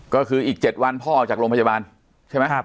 ก็คืออีก๗วันพ่อออกจากโรงพยาบาลใช่ไหม